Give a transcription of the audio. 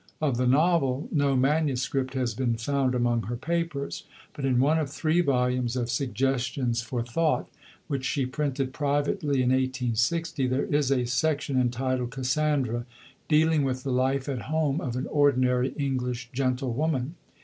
Of the novel, no manuscript has been found among her papers. But in one of three volumes of Suggestions for Thought, which she printed privately in 1860, there is a section entitled "Cassandra," dealing with the life at home of an ordinary English gentlewoman.